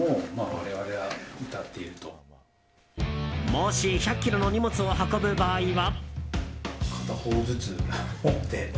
もし１００ｋｇの荷物を運ぶ場合は。